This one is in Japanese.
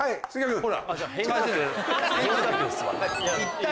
ほら。